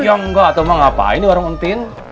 ya enggak atau mah ngapain di warung tin